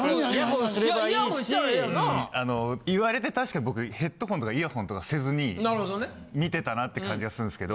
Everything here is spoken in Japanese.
言われて確か僕ヘッドホンとかイヤホンとかせずに見てたなって感じがするんですけど。